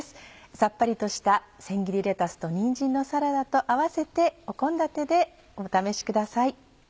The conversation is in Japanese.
さっぱりとした「せん切りレタスとにんじんのサラダ」と合わせて献立でお試しください。